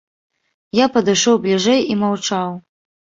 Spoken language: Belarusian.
Я падышоў бліжэй і маўчаў.